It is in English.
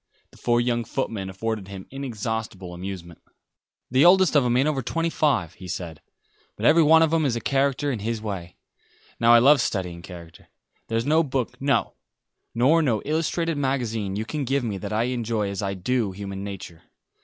The four young footmen afforded him inexhaustible amusement. "The oldest of 'em ain't over twenty five," he said, "but every one of 'em is a character in his way. Now I love studying character. There's no book, no, nor no illustrated magazine, you can give me that I enjoy as I do human nature.